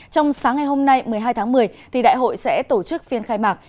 trong sáng ngày hôm nay một mươi hai tháng một mươi đại hội sẽ tổ chức phiên khai mạc